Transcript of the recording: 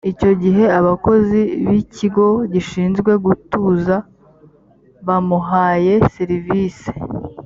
icyo gihe abakozi b’ikigo gishinzwe gutuza bamuhaye serivise